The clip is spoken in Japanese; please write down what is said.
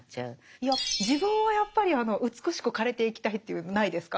いや自分はやっぱり美しく枯れていきたいっていうのないですか？